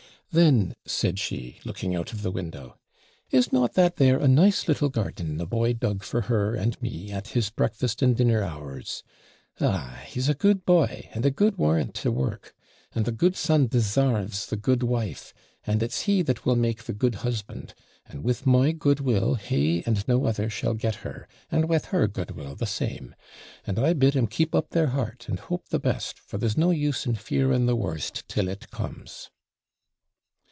'Then,' said she, looking out of the window, 'is not that there a nice little garden the boy dug for her and me, at his breakfast and dinner hours? Ah! he's a good boy, and a good warrant to work; and the good son DESARVES the good wife, and it's he that will make the good husband; and with my goodwill he, and no other, shall get her, and with her goodwill the same; and I bid 'em keep up their heart, and hope the best, for there's no use in fearing the worst till it comes.'